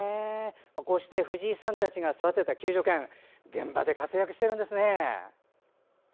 こうして藤井さんたちが育てた救助犬現場で活躍してるんですね。